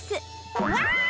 うわ！